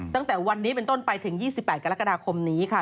ตั้งแต่วันนี้เป็นต้นไปถึง๒๘กรกฎาคมนี้ค่ะ